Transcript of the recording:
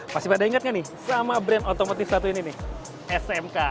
masih pada ingat nggak nih sama brand otomotif satu ini nih smk